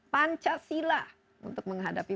pancasila untuk menghadapi